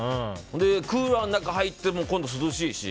クーラーの中入っても今度涼しいし